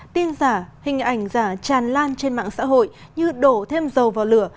tin giả hình ảnh giả tràn lan trên mạng xã hội như đổ thêm dầu vào lửa